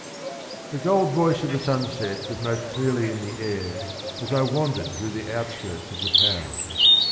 T OUTSKIRTS. HE gold voice of the sunset was most clearly in the air As I wandered through the outskirts of the town.